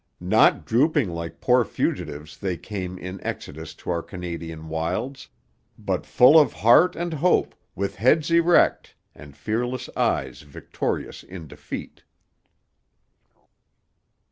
Not drooping like poor fugitives they came In exodus to our Canadian wilds, But full of heart and hope, with heads erect And fearless eyes victorious in defeat.